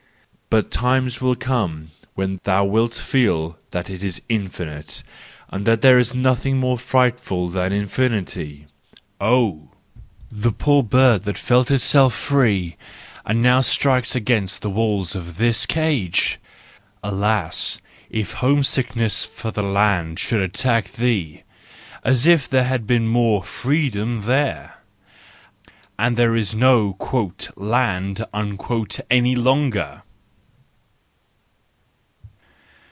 But times will come when thou wilt feel that it is infinite, and that there is nothing more frightful than infinity. Oh, the poor bird that felt itself free, and now strikes against the walls of this cage! Alas, if home¬ sickness for the land should attack thee, as if there had been more freedom there,—and there is no " land " any longer!